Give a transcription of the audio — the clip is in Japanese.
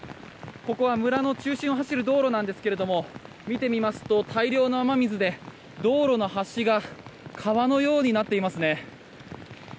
ここは村の中心を走る道路なんですが、見てみますと大量の雨水で道路の端が川のようになっていますね。